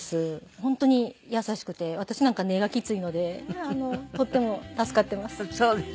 本当に優しくて私なんか根がきついのでとっても助かっています。